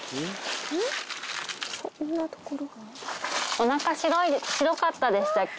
おなか、白かったでしたっけ？